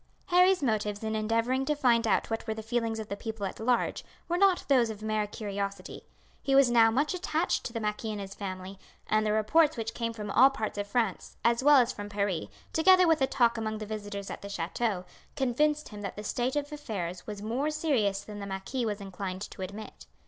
Harry's motives in endeavouring to find out what were the feelings of the people at large, were not those of mere curiosity. He was now much attached to the marquis and his family; and the reports which came from all parts of France, as well as from Paris, together with the talk among the visitors at the chateau, convinced him that the state of affairs was more serious than the marquis was inclined to admit.